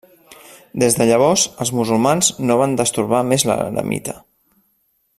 Des de llavors, els musulmans no van destorbar més l'eremita.